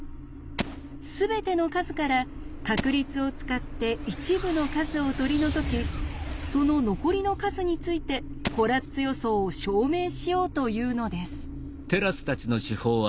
すべての数から確率を使って一部の数を取り除きその残りの数についてコラッツ予想を証明しようというのです。